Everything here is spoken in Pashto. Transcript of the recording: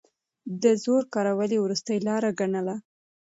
د زور کارول يې وروستۍ لاره ګڼله.